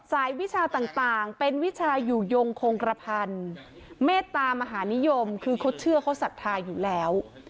วิชาต่างเป็นวิชาอยู่ยงคงกระพันธ์เมตตามหานิยมคือเขาเชื่อเขาศรัทธาอยู่แล้ว